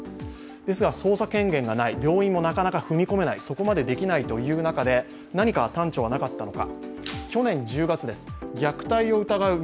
ですが捜査権限がない、病院もなかなか踏み込めないということで何か端緒はなかったのか。